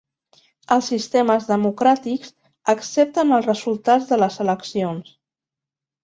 Els sistemes democràtics accepten els resultats de les eleccions.